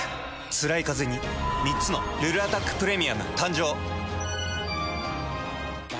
つらいカゼに３つの「ルルアタックプレミアム」誕生。